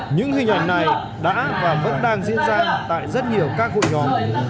những hình ảnh này đã và vẫn đang diễn ra tại rất nhiều các hội nhóm